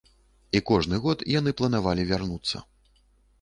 І кожны год яны планавалі вярнуцца.